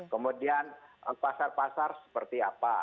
kemudian pasar pasar seperti apa